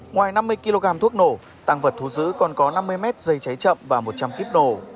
ngoài năm mươi kg thuốc nổ tăng vật thu giữ còn có năm mươi mét dây cháy chậm và một trăm linh kíp nổ